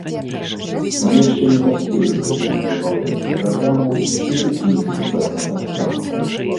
Мы яшчэ не паспелі прыдумаць забаўляльную праграму, і хакеісты, пэўна, таксама.